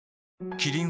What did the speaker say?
キリン「陸」